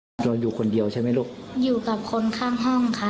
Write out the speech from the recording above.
นอนอยู่คนเดียวใช่ไหมลูกอยู่กับคนข้างห้องค่ะ